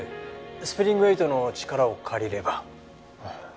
スプリング８の力を借りれば。